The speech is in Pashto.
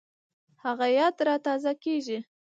هغه یاد را تازه کېږي